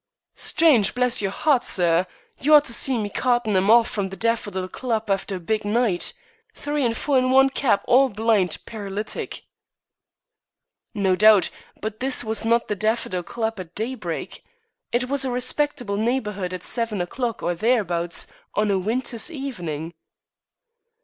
"Strange, bless your 'eart, sir. You ought to see me cartin' 'em off from the Daffodil Club after a big night three and four in one keb, all blind, paralytic." "No doubt; but this was not the Daffodil Club at daybreak. It was a respectable neighborhood at seven o'clock, or thereabouts, on a winter's evening."